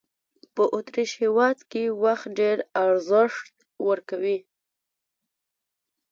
په اوترېش هېواد کې وخت ډېر ارزښت ورکوي.